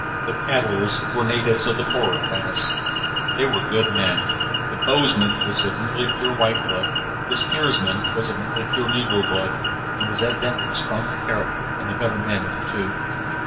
The paddlers were natives of the poorer class. They were good men. The bowsman was of nearly pure white blood; the steersman was of nearly pure negro blood, and was evidently the stronger character and better man of the two.